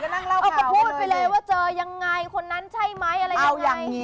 เลยพูดไปเลยว่าเจอครับ